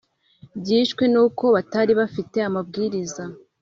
Byishwe n’uko batari bafite amabwiriza